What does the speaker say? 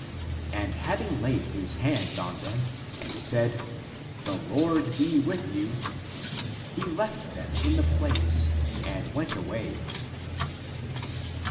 And having laid his hands on them and said, " The Lord be with you," he left them in the place, and went away.